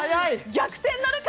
逆転なるか。